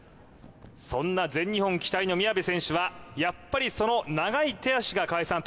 そんな全日本期待の宮部選手はやっぱりその長い手足が川合さん